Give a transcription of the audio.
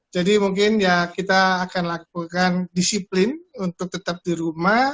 jadi mungkin ya kita akan lakukan disiplin untuk tetap di rumah